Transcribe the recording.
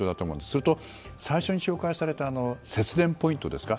すると、最初に紹介された節電ポイントですか。